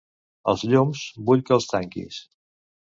Els llums, vull que els tanquis.